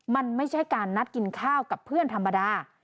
มันไม่ใช่การนัดกินข้าวกับเพื่อนธรรมดา